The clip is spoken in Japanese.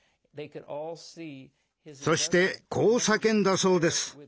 そしてこう叫んだそうです。